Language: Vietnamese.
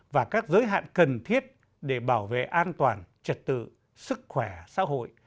và các giới hạn cần thiết để bảo vệ an toàn trật tự sức khỏe xã hội